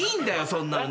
そんなの。